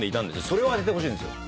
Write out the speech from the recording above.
それを当ててほしいんですよ。